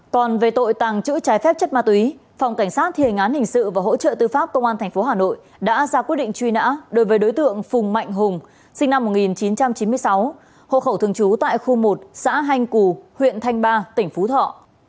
còn về tội tàng trữ trái phép chất ma túy phòng cảnh sát thiên án hình sự và hỗ trợ tư pháp công an tp hà nội đã ra quyết định truy nã đối với đối tượng phùng mạnh hùng sinh năm một nghìn chín trăm chín mươi sáu hộ khẩu thường trú tại khu một xã hanh cù huyện thanh ba tỉnh phú thọ